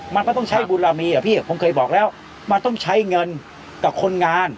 มันก็ต้องใช้บุญเรามีอะพี่ผมเคยบอกแล้วมันต้องใช้เงินกับคนงาน